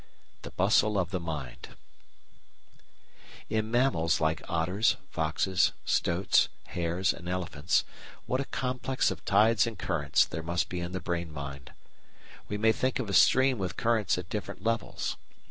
The Bustle of the Mind In mammals like otters, foxes, stoats, hares, and elephants, what a complex of tides and currents there must be in the brain mind! We may think of a stream with currents at different levels.